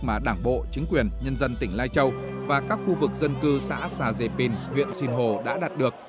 mà đảng bộ chính quyền nhân dân tỉnh lai châu và các khu vực dân cư xã xà dề phìn huyện sinh hồ đã đạt được